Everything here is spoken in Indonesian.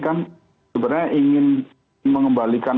kan sebenarnya ingin mengembalikan